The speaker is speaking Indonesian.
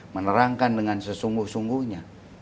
menerangkan dengan sesungguh sungguhnya